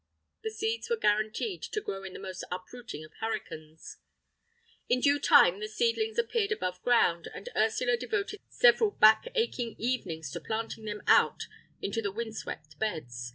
The seeds were guaranteed to grow in the most uprooting of hurricanes. In due time the seedlings appeared above ground, and Ursula devoted several back aching evenings to planting them out into the windswept beds.